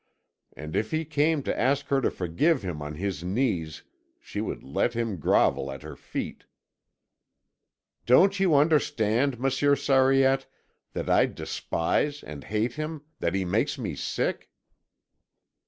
And if he came to ask her to forgive him on his knees, she would let him grovel at her feet. "Don't you understand, Monsieur Sariette, that I despise and hate him, that he makes me sick?"